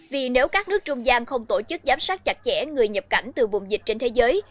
vì nếu các nước trung gian không tổ chức giám sát chặt chẽ người nhập cảnh từ vùng dịch trên thế giới